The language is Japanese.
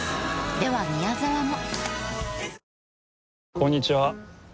では宮沢も。